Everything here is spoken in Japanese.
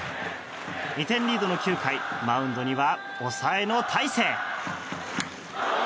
２点リードの９回マウンドには抑えの大勢。